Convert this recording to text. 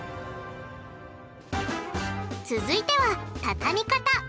続いては畳み方。